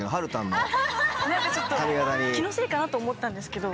何かちょっと気のせいかなと思ったんですけど。